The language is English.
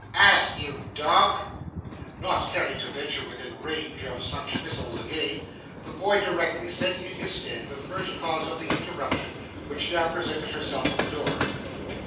'Ask, you dog.' Not caring to venture within range of such missles again, the boy discreetly sent in his stead the first cause of the interruption, who now presented herself at the door.